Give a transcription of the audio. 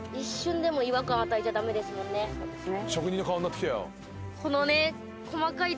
そうですね。